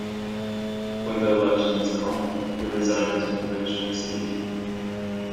When the election was called, he resigned his provincial seat.